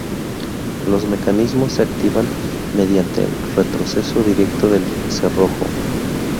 Los mecanismos se activan mediante retroceso directo del cerrojo.